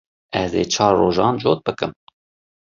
Ez ê çar rojan cot bikim.